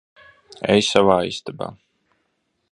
Ej savā istabā.